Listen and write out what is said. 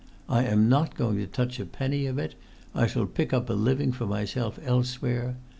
I am not going to touch a penny of it—I shall pick up a living for myself elsewhere.